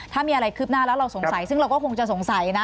ถ้ามีอะไรคืบหน้าแล้วเราสงสัยซึ่งเราก็คงจะสงสัยนะ